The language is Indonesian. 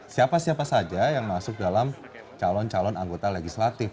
siapa siapa saja yang masuk dalam calon calon anggota legislatif